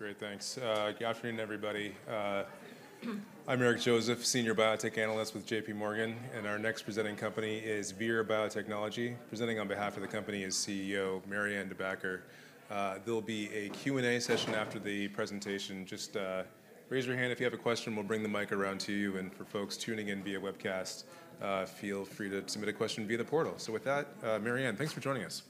All right, great, thanks. Good afternoon, everybody. I'm Eric Joseph, Senior Biotech Analyst with JPMorgan, and our next presenting company is Vir Biotechnology. Presenting on behalf of the company is CEO Marianne De Backer. There'll be a Q&A session after the presentation. Just raise your hand if you have a question. We'll bring the mic around to you. And for folks tuning in via webcast, feel free to submit a question via the portal. So with that, Marianne, thanks for joining us.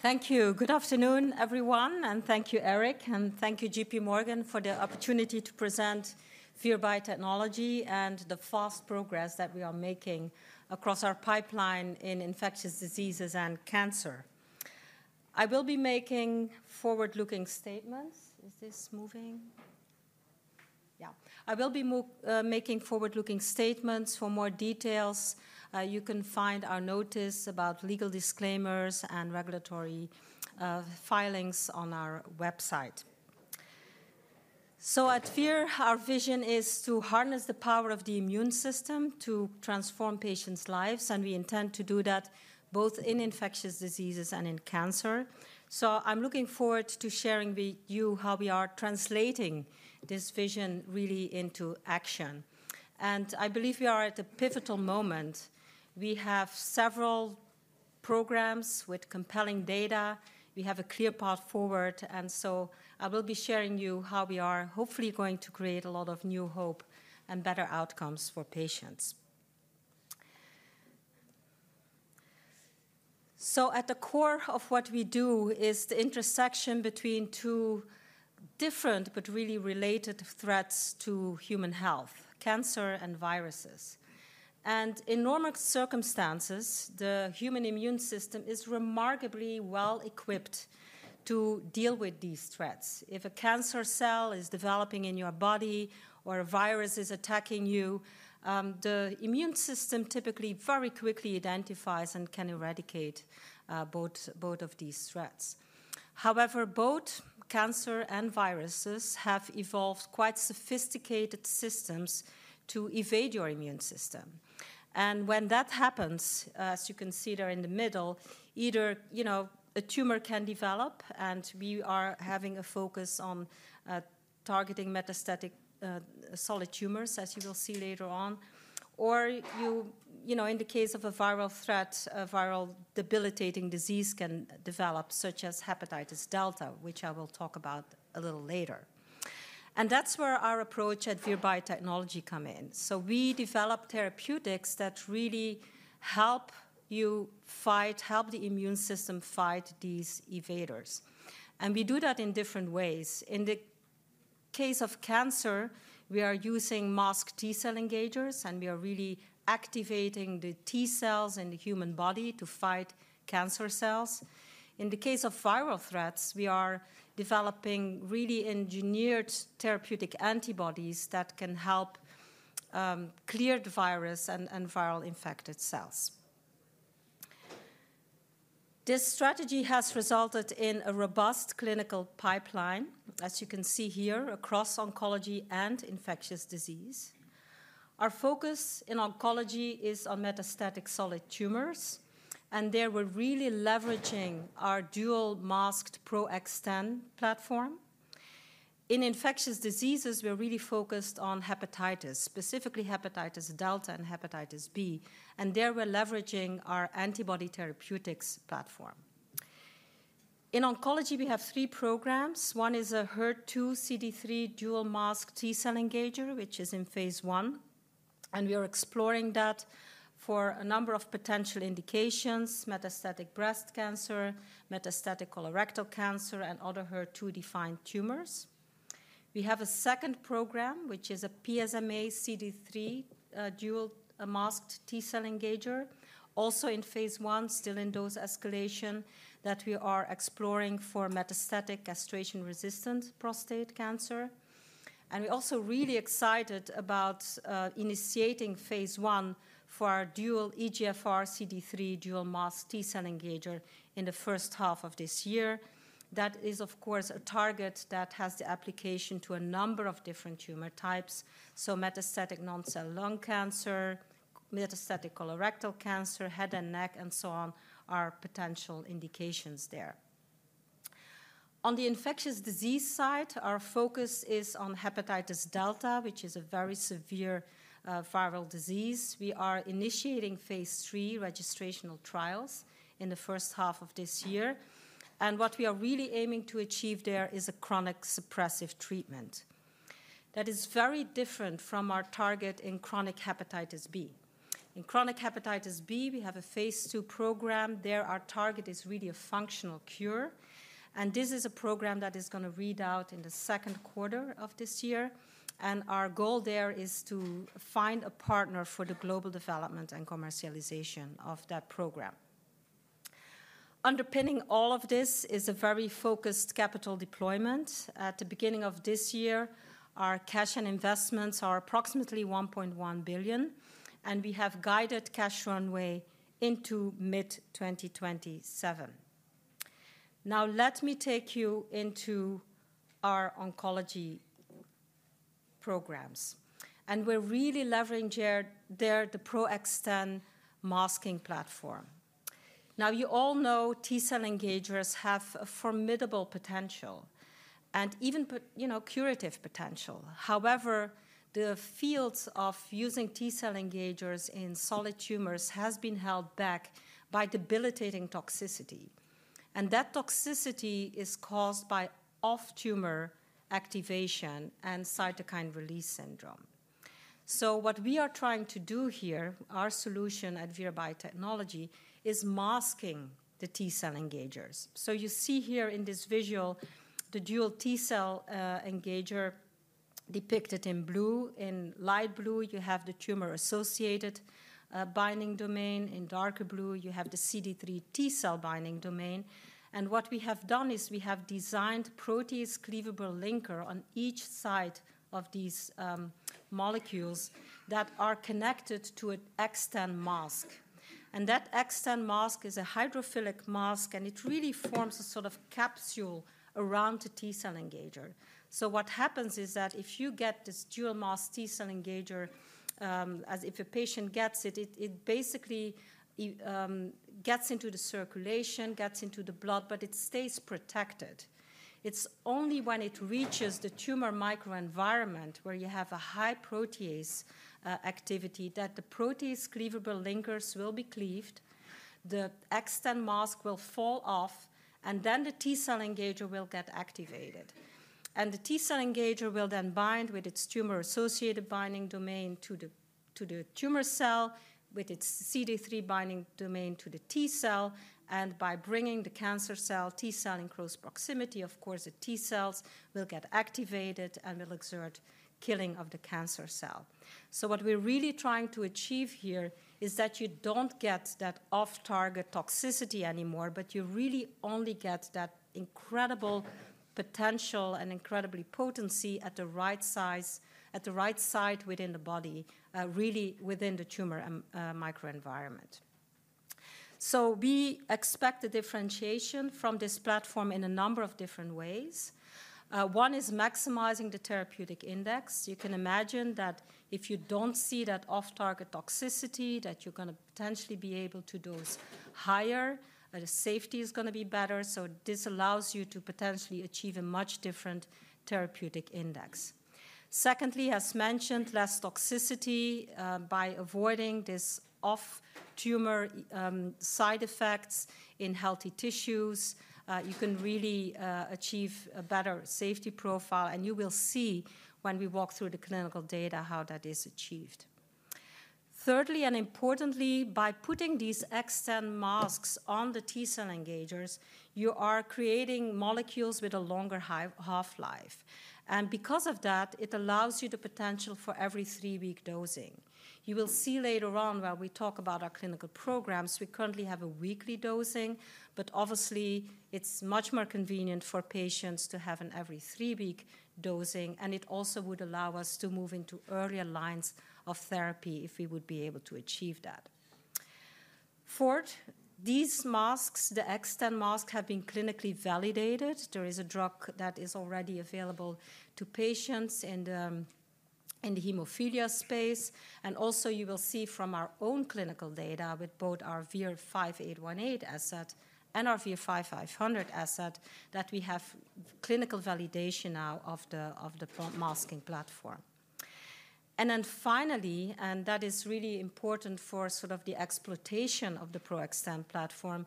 Yeah. Thank you. Good afternoon, everyone, and thank you, Eric, and thank you, JPMorgan, for the opportunity to present Vir Biotechnology and the fast progress that we are making across our pipeline in infectious diseases and cancer. I will be making forward-looking statements. Is this moving? Yeah. I will be making forward-looking statements. For more details, you can find our notice about legal disclaimers and regulatory filings on our website, so at Vir, our vision is to harness the power of the immune system to transform patients' lives, and we intend to do that both in infectious diseases and in cancer, so I'm looking forward to sharing with you how we are translating this vision really into action, and I believe we are at a pivotal moment. We have several programs with compelling data. We have a clear path forward. And so I will be sharing with you how we are hopefully going to create a lot of new hope and better outcomes for patients. So at the core of what we do is the intersection between two different but really related threats to human health: cancer and viruses. And in normal circumstances, the human immune system is remarkably well equipped to deal with these threats. If a cancer cell is developing in your body or a virus is attacking you, the immune system typically very quickly identifies and can eradicate both of these threats. However, both cancer and viruses have evolved quite sophisticated systems to evade your immune system. And when that happens, as you can see there in the middle, either a tumor can develop, and we are having a focus on targeting metastatic solid tumors, as you will see later on, or in the case of a viral threat, a viral debilitating disease can develop, such as Hepatitis Delta, which I will talk about a little later. And that's where our approach at Vir Biotechnology comes in. So we develop therapeutics that really help you fight, help the immune system fight these evaders. And we do that in different ways. In the case of cancer, we are using masked T-cell engagers, and we are really activating the T-cells in the human body to fight cancer cells. In the case of viral threats, we are developing really engineered therapeutic antibodies that can help clear the virus and viral infected cells. This strategy has resulted in a robust clinical pipeline, as you can see here, across oncology and infectious disease. Our focus in oncology is on metastatic solid tumors. And there we're really leveraging our dual-masked ProXTEN platform. In infectious diseases, we're really focused on hepatitis, specifically Hepatitis Delta and Hepatitis B. And there we're leveraging our antibody therapeutics platform. In oncology, we have three programs. One is a HER2 CD3 dual-masked T-cell engager, which is in phase one. And we are exploring that for a number of potential indications: metastatic breast cancer, metastatic colorectal cancer, and other HER2-defined tumors. We have a second program, which is a PSMA CD3 dual-masked T-cell engager, also in phase one, still in dose escalation, that we are exploring for metastatic castration-resistant prostate cancer. We're also really excited about initiating phase one for our dual EGFR CD3 dual-masked T-cell engager in the first half of this year. That is, of course, a target that has the application to a number of different tumor types. Metastatic non-small cell lung cancer, metastatic colorectal cancer, head and neck, and so on are potential indications there. On the infectious disease side, our focus is on hepatitis Delta, which is a very severe viral disease. We are initiating phase three registrational trials in the first half of this year. What we are really aiming to achieve there is a chronic suppressive treatment that is very different from our target in chronic hepatitis B. In chronic hepatitis B, we have a phase two program. There, our target is really a functional cure. This is a program that is going to read out in the second quarter of this year. Our goal there is to find a partner for the global development and commercialization of that program. Underpinning all of this is a very focused capital deployment. At the beginning of this year, our cash and investments are approximately $1.1 billion. We have guided cash runway into mid-2027. Now, let me take you into our oncology programs. We're really leveraging there the ProXTEN masking platform. You all know T-cell engagers have a formidable potential and even curative potential. However, the fields of using T-cell engagers in solid tumors have been held back by debilitating toxicity. That toxicity is caused by off-tumor activation and cytokine release syndrome. What we are trying to do here, our solution at Vir Biotechnology, is masking the T-cell engagers. So you see here in this visual the dual T-cell engager depicted in blue. In light blue, you have the tumor-associated binding domain. In darker blue, you have the CD3 T-cell binding domain. And what we have done is we have designed protease cleavable linker on each side of these molecules that are connected to an XTEN mask. And that XTEN mask is a hydrophilic mask. And it really forms a sort of capsule around the T-cell engager. So what happens is that if you get this dual-masked T-cell engager, as if a patient gets it, it basically gets into the circulation, gets into the blood, but it stays protected. It's only when it reaches the tumor microenvironment, where you have a high protease activity, that the protease cleavable linkers will be cleaved. The XTEN mask will fall off. And then the T-cell engager will get activated. And the T-cell engager will then bind with its tumor-associated binding domain to the tumor cell, with its CD3 binding domain to the T-cell. And by bringing the cancer cell and T-cell in close proximity, of course, the T-cells will get activated and will exert killing of the cancer cell. So what we're really trying to achieve here is that you don't get that off-target toxicity anymore, but you really only get that incredible potential and incredible potency at the right site at the right site within the body, really within the tumor microenvironment. So we expect the differentiation from this platform in a number of different ways. One is maximizing the therapeutic index. You can imagine that if you don't see that off-target toxicity, that you're going to potentially be able to dose higher. The safety is going to be better. This allows you to potentially achieve a much different therapeutic index. Secondly, as mentioned, less toxicity. By avoiding these off-tumor side effects in healthy tissues, you can really achieve a better safety profile. And you will see when we walk through the clinical data how that is achieved. Thirdly, and importantly, by putting these XTEN masks on the T-cell engagers, you are creating molecules with a longer half-life. And because of that, it allows you the potential for every three-week dosing. You will see later on, while we talk about our clinical programs, we currently have a weekly dosing. But obviously, it's much more convenient for patients to have an every three-week dosing. And it also would allow us to move into earlier lines of therapy if we would be able to achieve that. Fourth, these masks, the XTEN masks, have been clinically validated. There is a drug that is already available to patients in the hemophilia space. And also, you will see from our own clinical data with both our VIR-5818 asset and our VIR-5500 asset that we have clinical validation now of the masking platform. And then finally, and that is really important for sort of the exploitation of the ProXTEN platform,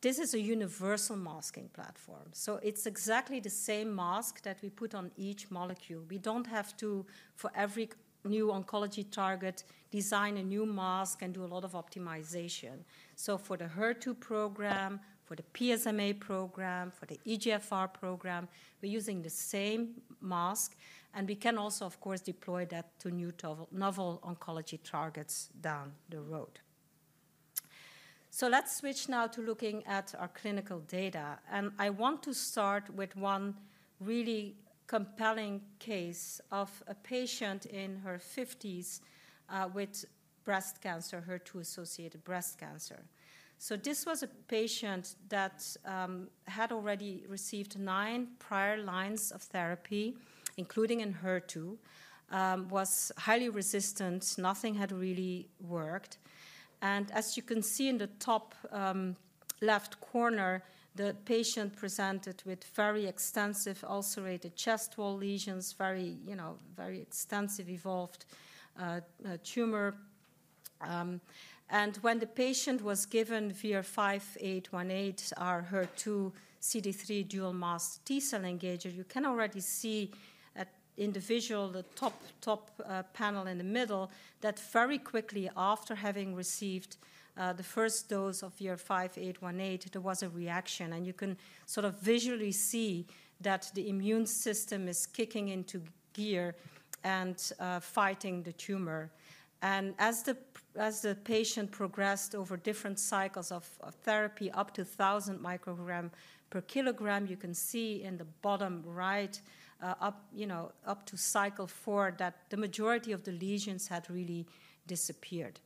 this is a universal masking platform. So it's exactly the same mask that we put on each molecule. We don't have to, for every new oncology target, design a new mask and do a lot of optimization. So for the HER2 program, for the PSMA program, for the EGFR program, we're using the same mask. And we can also, of course, deploy that to new novel oncology targets down the road. So let's switch now to looking at our clinical data. I want to start with one really compelling case of a patient in her 50s with breast cancer, HER2-associated breast cancer. This was a patient that had already received nine prior lines of therapy, including in HER2, was highly resistant. Nothing had really worked. As you can see in the top left corner, the patient presented with very extensive ulcerated chest wall lesions, very extensive involved tumor. When the patient was given VIR-5818, our HER2 CD3 dual-masked T-cell engager, you can already see in the visual, the top panel in the middle, that very quickly after having received the first dose of VIR-5818, there was a reaction. You can sort of visually see that the immune system is kicking into gear and fighting the tumor. And as the patient progressed over different cycles of therapy up to 1,000 micrograms per kilogram, you can see in the bottom right up to cycle four that the majority of the lesions had really disappeared.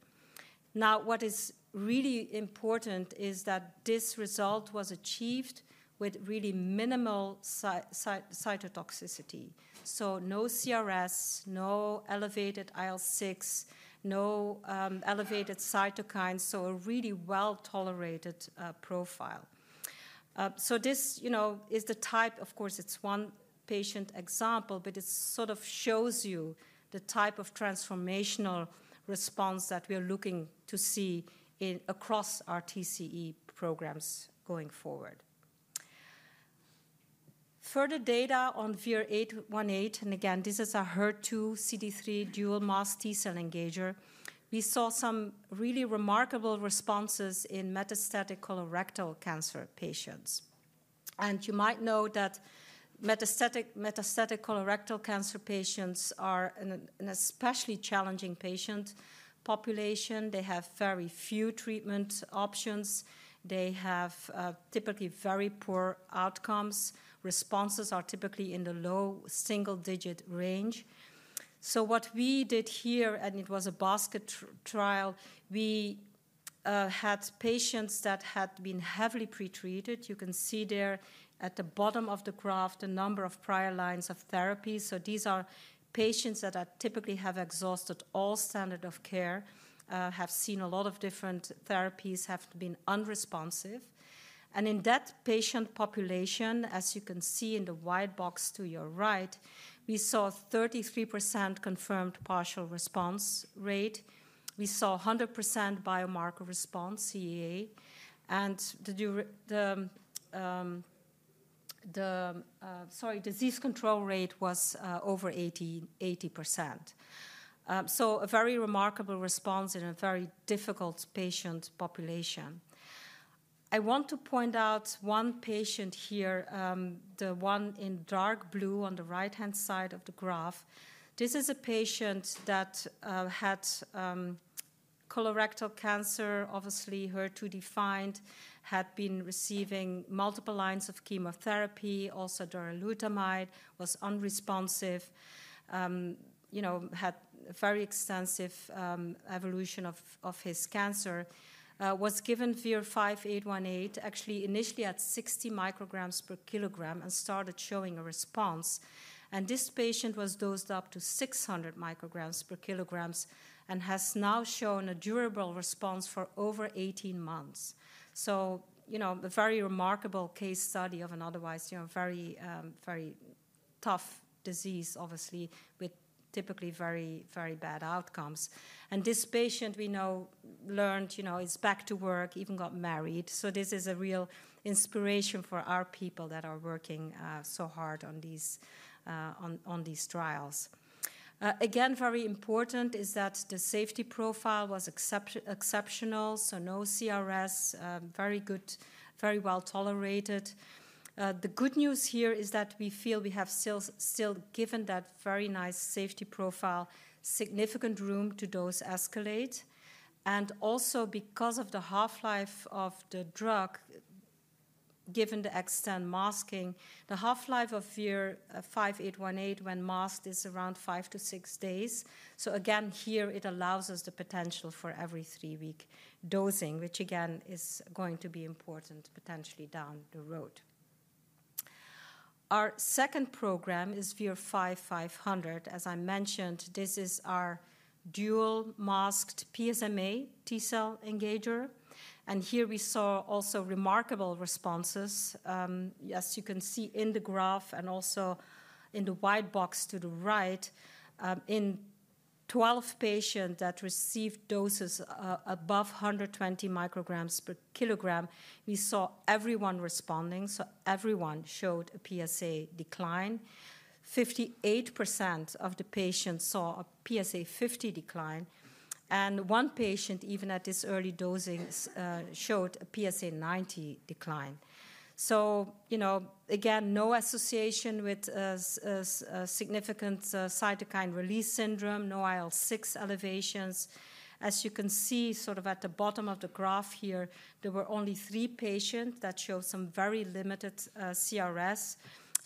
Now, what is really important is that this result was achieved with really minimal cytotoxicity, so no CRS, no elevated IL-6, no elevated cytokines, so a really well-tolerated profile, so this is the type, of course, it's one patient example, but it sort of shows you the type of transformational response that we are looking to see across our TCE programs going forward. Further data on VIR-5818, and again, this is a HER2 CD3 dual-masked T-cell engager. We saw some really remarkable responses in metastatic colorectal cancer patients, and you might know that metastatic colorectal cancer patients are an especially challenging patient population. They have very few treatment options. They have typically very poor outcomes. Responses are typically in the low single-digit range, so what we did here, and it was a basket trial, we had patients that had been heavily pretreated. You can see there at the bottom of the graph the number of prior lines of therapy, so these are patients that typically have exhausted all standard of care, have seen a lot of different therapies, have been unresponsive, and in that patient population, as you can see in the white box to your right, we saw 33% confirmed partial response rate. We saw 100% biomarker response, CEA, and the, sorry, disease control rate was over 80%, so a very remarkable response in a very difficult patient population. I want to point out one patient here, the one in dark blue on the right-hand side of the graph. This is a patient that had colorectal cancer, obviously HER2 defined, had been receiving multiple lines of chemotherapy, also darolutamide, was unresponsive, had very extensive evolution of his cancer, was given VIR-5818, actually initially at 60 micrograms per kilogram, and started showing a response. And this patient was dosed up to 600 micrograms per kilogram and has now shown a durable response for over 18 months. So a very remarkable case study of an otherwise very tough disease, obviously, with typically very, very bad outcomes. And this patient, we now learned, is back to work, even got married. So this is a real inspiration for our people that are working so hard on these trials. Again, very important is that the safety profile was exceptional. So no CRS, very well tolerated. The good news here is that we feel we have still given that very nice safety profile significant room to dose escalate. And also, because of the half-life of the drug, given the XTEN masking, the half-life of VIR-5818 when masked is around five to six days. So again, here, it allows us the potential for every three-week dosing, which again is going to be important potentially down the road. Our second program is VIR-5500. As I mentioned, this is our dual-masked PSMA T-cell engager. And here, we saw also remarkable responses, as you can see in the graph and also in the white box to the right. In 12 patients that received doses above 120 micrograms per kilogram, we saw everyone responding. So everyone showed a PSA decline. 58% of the patients saw a PSA 50 decline. One patient, even at this early dosing, showed a PSA 90% decline. Again, no association with significant cytokine release syndrome, no IL-6 elevations. As you can see, sort of, at the bottom of the graph here, there were only three patients that showed some very limited CRS.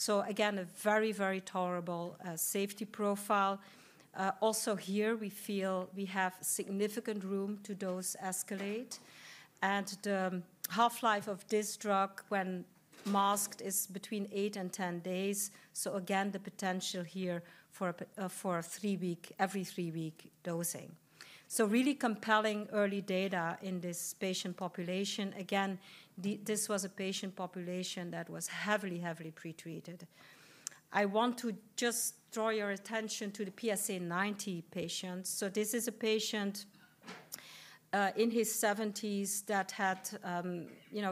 Again, a very, very tolerable safety profile. Also here, we feel we have significant room to dose escalate. The half-life of this drug when masked is between eight and 10 days. Again, the potential here for every three-week dosing. Really compelling early data in this patient population. Again, this was a patient population that was heavily, heavily pretreated. I want to just draw your attention to the PSA 90% patient. So this is a patient in his 70s that had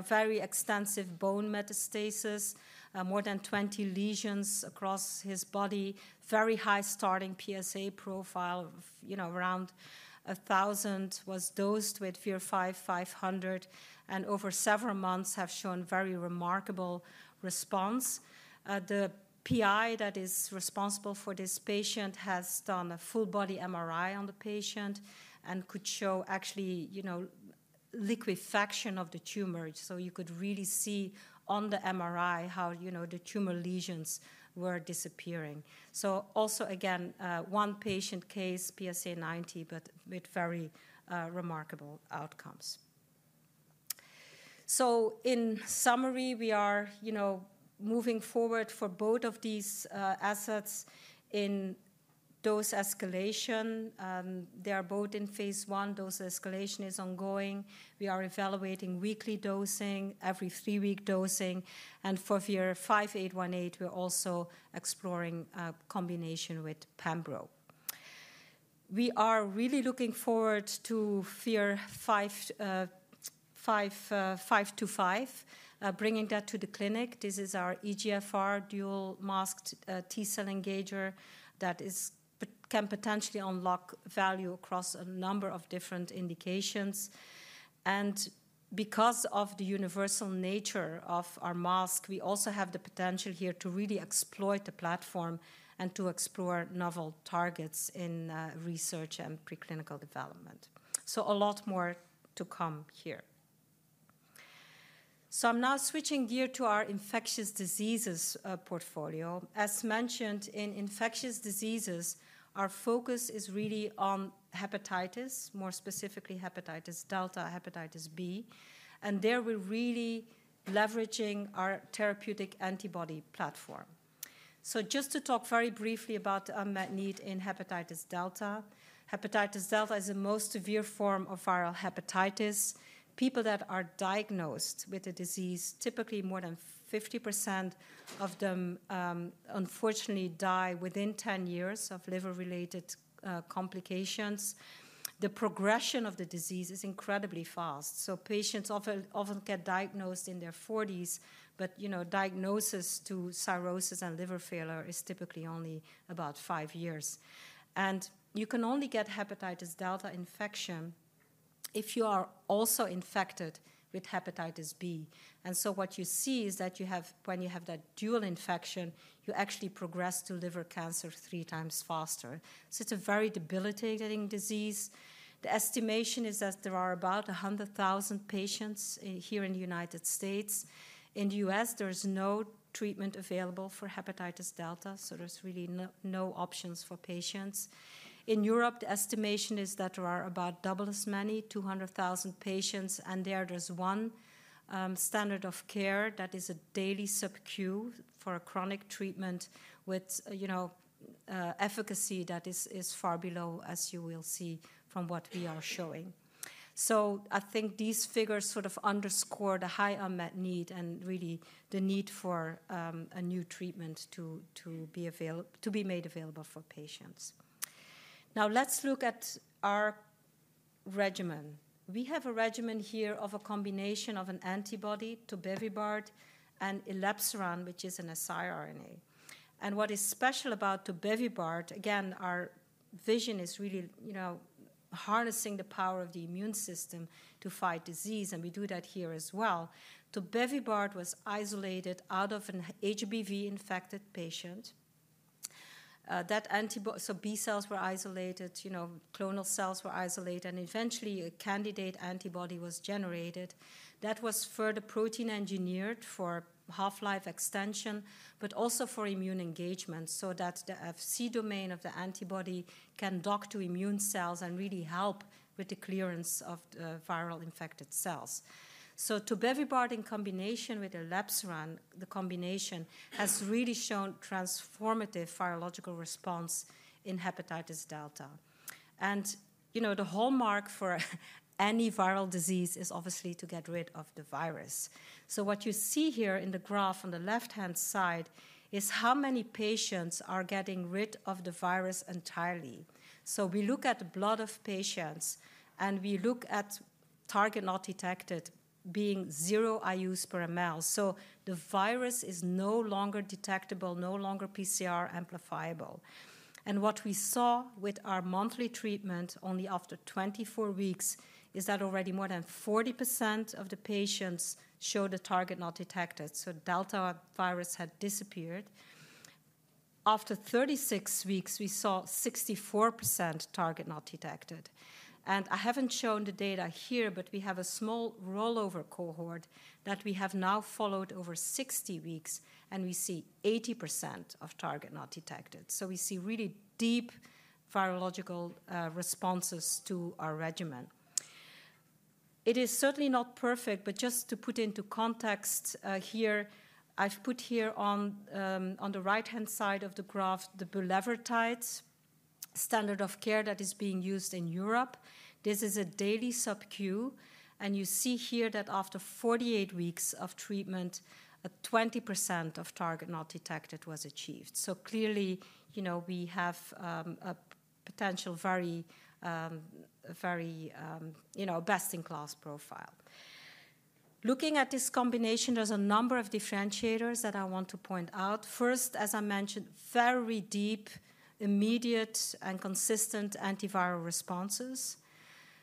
very extensive bone metastasis, more than 20 lesions across his body, very high starting PSA profile, around 1,000, was dosed with VIR-5500. And over several months, have shown very remarkable response. The PI that is responsible for this patient has done a full-body MRI on the patient and could show actually liquefaction of the tumor. So you could really see on the MRI how the tumor lesions were disappearing. So also, again, one patient case, PSA 90, but with very remarkable outcomes. So in summary, we are moving forward for both of these assets in dose escalation. They are both in phase one. Dose escalation is ongoing. We are evaluating weekly dosing, every three-week dosing. And for VIR-5818, we're also exploring a combination with pembro. We are really looking forward to VIR-5525, bringing that to the clinic. This is our EGFR dual-masked T-cell engager that can potentially unlock value across a number of different indications. And because of the universal nature of our mask, we also have the potential here to really exploit the platform and to explore novel targets in research and preclinical development. So a lot more to come here. So I'm now switching gear to our infectious diseases portfolio. As mentioned, in infectious diseases, our focus is really on hepatitis, more specifically Hepatitis Delta, Hepatitis B. And there we're really leveraging our therapeutic antibody platform. So just to talk very briefly about the unmet need in Hepatitis Delta. Hepatitis Delta is the most severe form of viral hepatitis. People that are diagnosed with the disease, typically more than 50% of them, unfortunately, die within 10 years of liver-related complications. The progression of the disease is incredibly fast. Patients often get diagnosed in their 40s. But diagnosis to cirrhosis and liver failure is typically only about five years. And you can only get hepatitis Delta infection if you are also infected with hepatitis B. And so what you see is that when you have that dual infection, you actually progress to liver cancer three times faster. So it's a very debilitating disease. The estimation is that there are about 100,000 patients here in the United States. In the U.S., there is no treatment available for hepatitis Delta. So there's really no options for patients. In Europe, the estimation is that there are about double as many, 200,000 patients. And there, there's one standard of care that is a daily subQ for a chronic treatment with efficacy that is far below, as you will see, from what we are showing. I think these figures sort of underscore the high unmet need and really the need for a new treatment to be made available for patients. Now, let's look at our regimen. We have a regimen here of a combination of an antibody, Tobevibart, and Elebsiran, which is an siRNA. And what is special about Tobevibart, again, our vision is really harnessing the power of the immune system to fight disease. And we do that here as well. Tobevibart was isolated out of an HBV-infected patient. So B cells were isolated, clonal cells were isolated. And eventually, a candidate antibody was generated. That was further protein engineered for half-life extension, but also for immune engagement so that the Fc domain of the antibody can dock to immune cells and really help with the clearance of the viral infected cells. Tobevibart, in combination with elebsiran, the combination has really shown transformative virological response in hepatitis Delta. And the hallmark for any viral disease is obviously to get rid of the virus. What you see here in the graph on the left-hand side is how many patients are getting rid of the virus entirely. We look at the blood of patients, and we look at target not detected being 0 IUs per mL. The virus is no longer detectable, no longer PCR amplifiable. And what we saw with our monthly treatment only after 24 weeks is that already more than 40% of the patients showed a target not detected. Delta virus had disappeared. After 36 weeks, we saw 64% target not detected. And I haven't shown the data here, but we have a small rollover cohort that we have now followed over 60 weeks, and we see 80% of target not detected. So we see really deep virological responses to our regimen. It is certainly not perfect, but just to put into context here, I've put here on the right-hand side of the graph the Bulevirtide standard of care that is being used in Europe. This is a daily subQ. And you see here that after 48 weeks of treatment, 20% of target not detected was achieved. So clearly, we have a potential very best-in-class profile. Looking at this combination, there's a number of differentiators that I want to point out. First, as I mentioned, very deep, immediate, and consistent antiviral responses.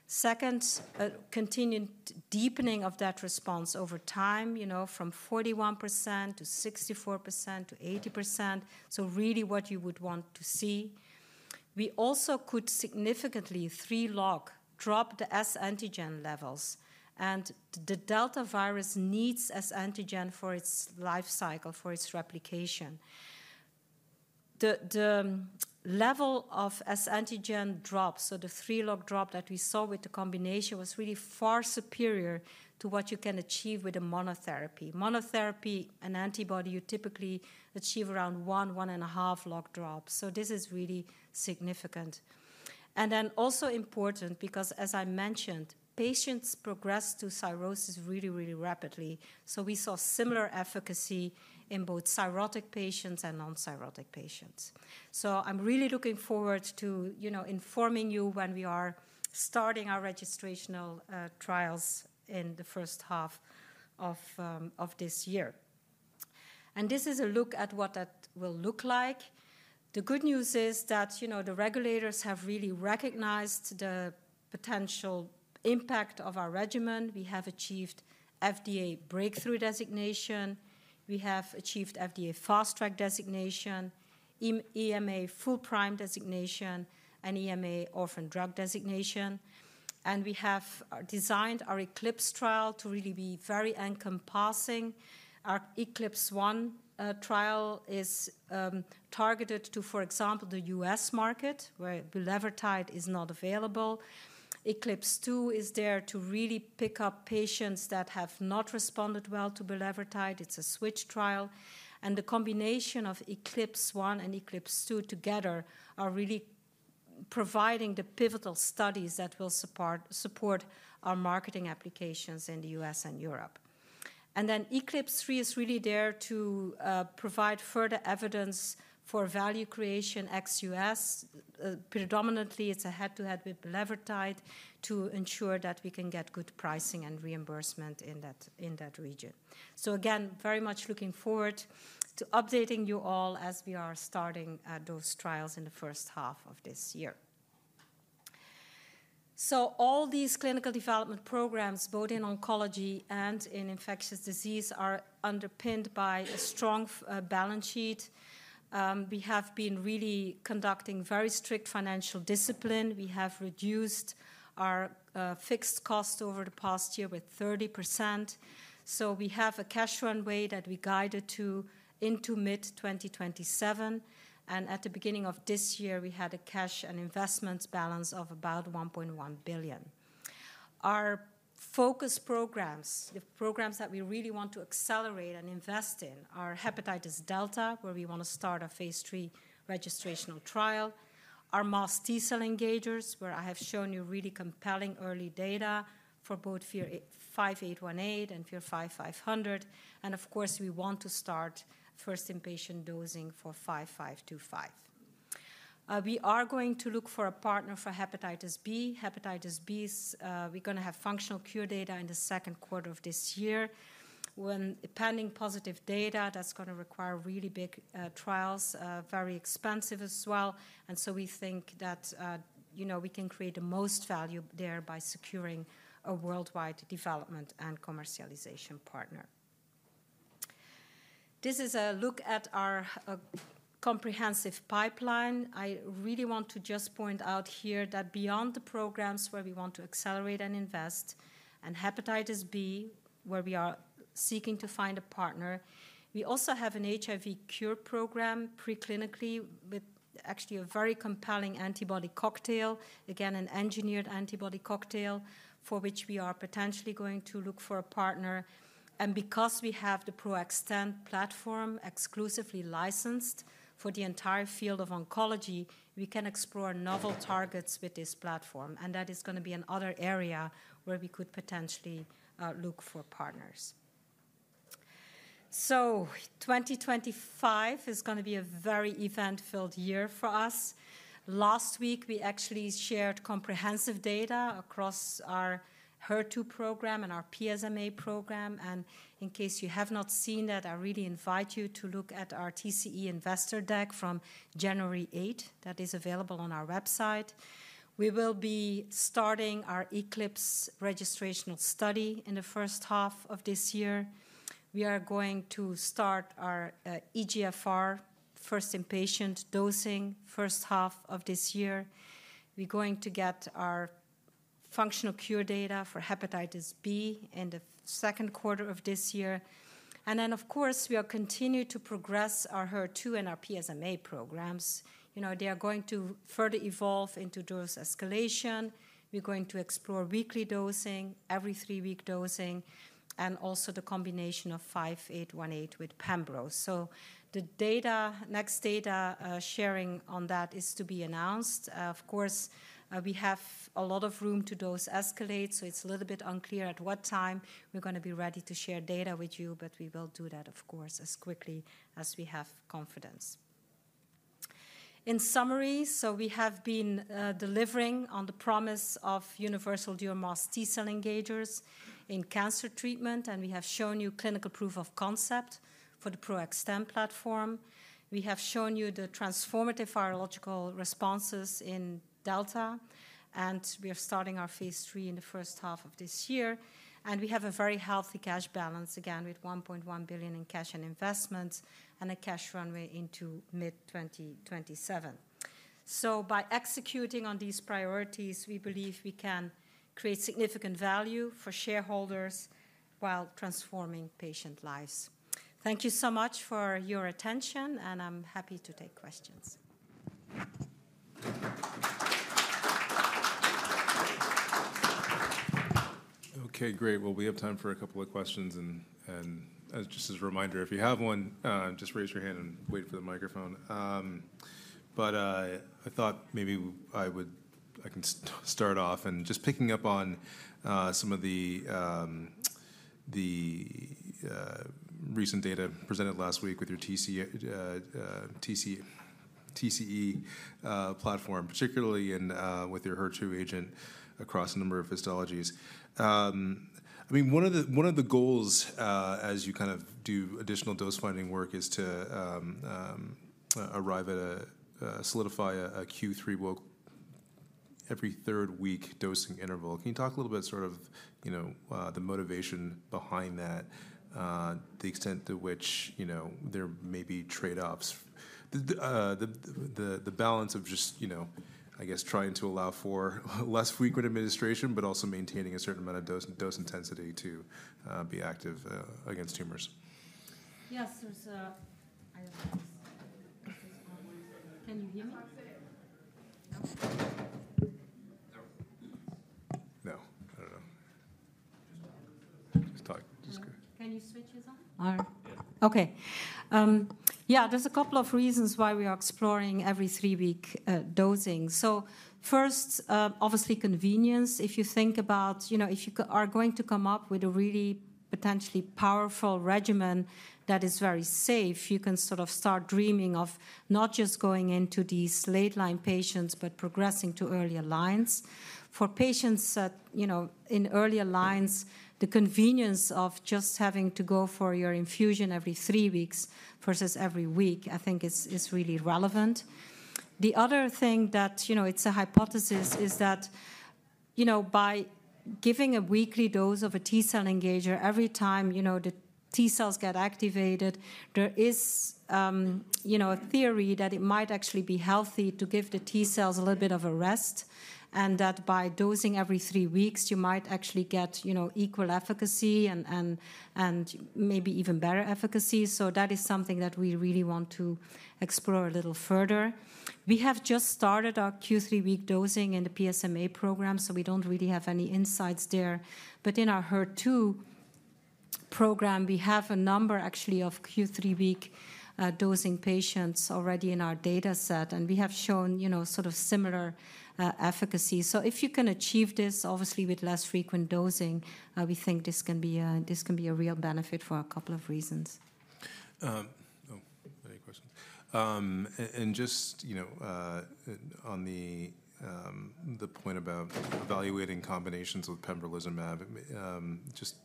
Second, a continued deepening of that response over time from 41% to 64% to 80%. So, really, what you would want to see. We also could significantly three-log drop the S-antigen levels. And the Delta virus needs S-antigen for its life cycle, for its replication. The level of S-antigen drop, so the three-log drop that we saw with the combination, was really far superior to what you can achieve with a monotherapy. Monotherapy, an antibody, you typically achieve around one, one-and-a-half log drop. So this is really significant. And then also important because, as I mentioned, patients progress to cirrhosis really, really rapidly. So we saw similar efficacy in both cirrhotic patients and non-cirrhotic patients. So I'm really looking forward to informing you when we are starting our registrational trials in the first half of this year. And this is a look at what that will look like. The good news is that the regulators have really recognized the potential impact of our regimen. We have achieved FDA breakthrough designation. We have achieved FDA fast-track designation, EMA PRIME designation, and EMA orphan drug designation, and we have designed our ECLIPSE trial to really be very encompassing. Our ECLIPSE 1 trial is targeted to, for example, the U.S. market, where Bulevirtide is not available. ECLIPSE 2 is there to really pick up patients that have not responded well to Bulevirtide. It's a switch trial, and the combination of ECLIPSE 1 and ECLIPSE 2 together are really providing the pivotal studies that will support our marketing applications in the U.S. and Europe, and then ECLIPSE 3 is really there to provide further evidence for value creation ex-U.S. Predominantly, it's a head-to-head with Bulevirtide to ensure that we can get good pricing and reimbursement in that region. So again, very much looking forward to updating you all as we are starting those trials in the first half of this year. So all these clinical development programs, both in oncology and in infectious disease, are underpinned by a strong balance sheet. We have been really conducting very strict financial discipline. We have reduced our fixed cost over the past year with 30%. So we have a cash runway that we guided to into mid-2027. And at the beginning of this year, we had a cash and investments balance of about $1.1 billion. Our focus programs, the programs that we really want to accelerate and invest in, are hepatitis Delta, where we want to start a phase three registrational trial, our masked T-cell engagers, where I have shown you really compelling early data for both VIR-5818 and VIR-5500. And of course, we want to start first inpatient dosing for 5525. We are going to look for a partner for Hepatitis B. Hepatitis B, we're going to have functional cure data in the second quarter of this year. With pending positive data, that's going to require really big trials, very expensive as well. And so we think that we can create the most value there by securing a worldwide development and commercialization partner. This is a look at our comprehensive pipeline. I really want to just point out here that beyond the programs where we want to accelerate and invest, and Hepatitis B, where we are seeking to find a partner, we also have an HIV cure program preclinically with actually a very compelling antibody cocktail, again, an engineered antibody cocktail, for which we are potentially going to look for a partner. Because we have the ProXTEN platform exclusively licensed for the entire field of oncology, we can explore novel targets with this platform. That is going to be another area where we could potentially look for partners. 2025 is going to be a very event-filled year for us. Last week, we actually shared comprehensive data across our HER2 program and our PSMA program. In case you have not seen that, I really invite you to look at our TCE Investor Deck from January 8th that is available on our website. We will be starting our ECLIPSE registrational study in the first half of this year. We are going to start our EGFR first inpatient dosing first half of this year. We're going to get our functional cure data for hepatitis B in the second quarter of this year. And then, of course, we are continuing to progress our HER2 and our PSMA programs. They are going to further evolve into dose escalation. We're going to explore weekly dosing, every three-week dosing, and also the combination of 5818 with pembro. So the next data sharing on that is to be announced. Of course, we have a lot of room to dose escalate. So it's a little bit unclear at what time we're going to be ready to share data with you. But we will do that, of course, as quickly as we have confidence. In summary, so we have been delivering on the promise of universal dual-masked T-cell engagers in cancer treatment. And we have shown you clinical proof of concept for the ProXTEN platform. We have shown you the transformative virological responses in Delta. We are starting our phase three in the first half of this year. We have a very healthy cash balance, again, with $1.1 billion in cash and investments and a cash runway into mid-2027. So by executing on these priorities, we believe we can create significant value for shareholders while transforming patient lives. Thank you so much for your attention. And I'm happy to take questions. Okay, great. Well, we have time for a couple of questions. And just as a reminder, if you have one, just raise your hand and wait for the microphone. But I thought maybe I can start off. And just picking up on some of the recent data presented last week with your TCE platform, particularly with your HER2 agent across a number of histologies. I mean, one of the goals as you kind of do additional dose-finding work is to solidify a Q3, well, every third week dosing interval. Can you talk a little bit sort of the motivation behind that, the extent to which there may be trade-offs, the balance of just, I guess, trying to allow for less frequent administration, but also maintaining a certain amount of dose intensity to be active against tumors? Yes, there's a couple of reasons why we are exploring every three-week dosing. So first, obviously, convenience. If you think about if you are going to come up with a really potentially powerful regimen that is very safe, you can sort of start dreaming of not just going into these late-line patients, but progressing to earlier lines. For patients in earlier lines, the convenience of just having to go for your infusion every three weeks versus every week, I think, is really relevant. The other thing that it's a hypothesis is that by giving a weekly dose of a T-cell engager every time the T-cells get activated, there is a theory that it might actually be healthy to give the T-cells a little bit of a rest and that by dosing every three weeks, you might actually get equal efficacy and maybe even better efficacy. So that is something that we really want to explore a little further. We have just started our Q3 week dosing in the PSMA program, so we don't really have any insights there, but in our HER2 program, we have a number actually of Q3 week dosing patients already in our data set, and we have shown sort of similar efficacy, so if you can achieve this, obviously, with less frequent dosing, we think this can be a real benefit for a couple of reasons. Oh, any questions? And just on the point about evaluating combinations with pembrolizumab, just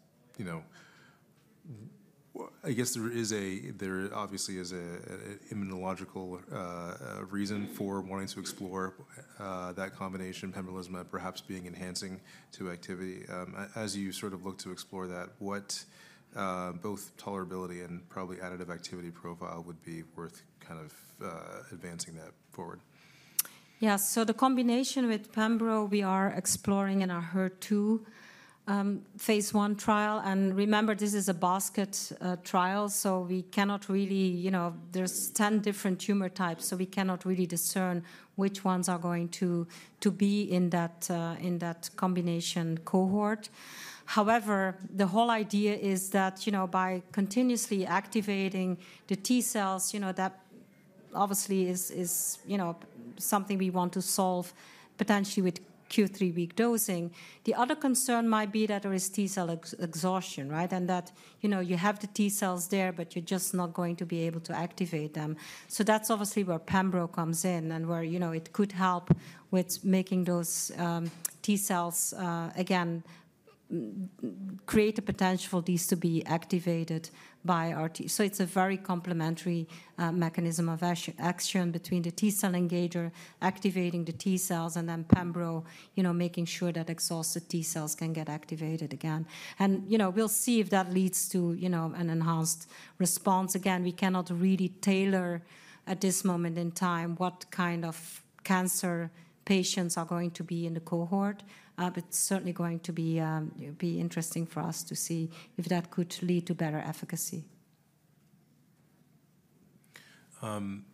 I guess there obviously is an immunological reason for wanting to explore that combination, pembrolizumab perhaps being enhancing to activity. As you sort of look to explore that, what both tolerability and probably additive activity profile would be worth kind of advancing that forward? Yeah, so the combination with pembro, we are exploring in our HER2 phase one trial. And remember, this is a basket trial. So we cannot really. There's 10 different tumor types. So we cannot really discern which ones are going to be in that combination cohort. However, the whole idea is that by continuously activating the T-cells, that obviously is something we want to solve potentially with Q3 week dosing. The other concern might be that there is T-cell exhaustion, right? And that you have the T-cells there, but you're just not going to be able to activate them. So that's obviously where pembro comes in and where it could help with making those T-cells, again, create a potential for these to be activated by our. So it's a very complementary mechanism of action between the T-cell engager, activating the T-cells, and then pembro making sure that exhausted T-cells can get activated again. And we'll see if that leads to an enhanced response. Again, we cannot really tailor at this moment in time what kind of cancer patients are going to be in the cohort. But it's certainly going to be interesting for us to see if that could lead to better efficacy. Can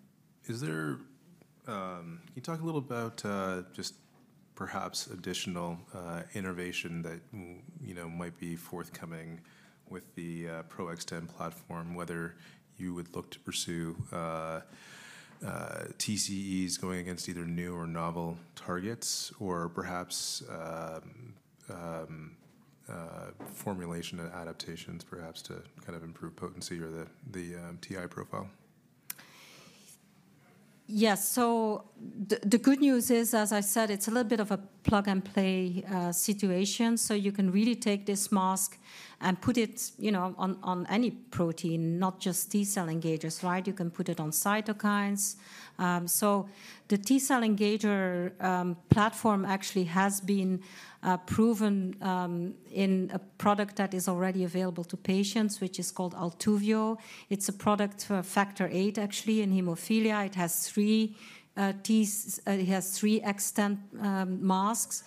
you talk a little about just perhaps additional innovation that might be forthcoming with the ProXTEN platform, whether you would look to pursue TCEs going against either new or novel targets or perhaps formulation and adaptations perhaps to kind of improve potency or the TI profile? Yes, so the good news is, as I said, it's a little bit of a plug and play situation. So you can really take this mask and put it on any protein, not just T-cell engagers, right? You can put it on cytokines. The T-cell engager platform actually has been proven in a product that is already available to patients, which is called Altuviiio. It's a product for factor VIII actually in hemophilia. It has three XTEN masks.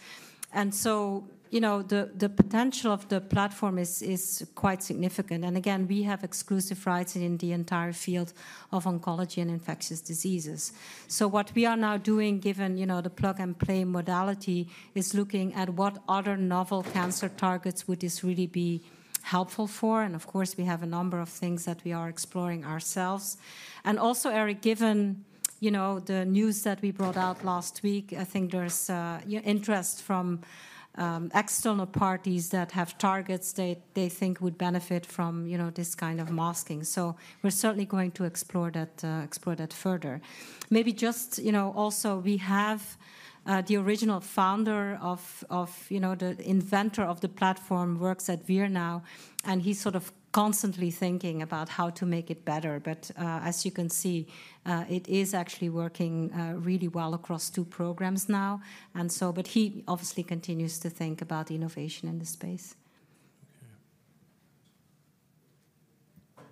The potential of the platform is quite significant. We have exclusive rights in the entire field of oncology and infectious diseases. What we are now doing, given the plug and play modality, is looking at what other novel cancer targets would this really be helpful for. Of course, we have a number of things that we are exploring ourselves. Also, Eric, given the news that we brought out last week, I think there's interest from external parties that have targets they think would benefit from this kind of masking. We're certainly going to explore that further. Maybe just also we have the original founder of the inventor of the platform works at Vir now. And he's sort of constantly thinking about how to make it better. But as you can see, it is actually working really well across two programs now. But he obviously continues to think about innovation in this space. Okay.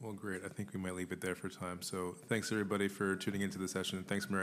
Well, great. I think we might leave it there for time. So thanks, everybody, for tuning into the session. Thanks, Marianne.